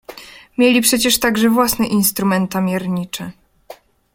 "Mieli przecież także własne instrumenta miernicze."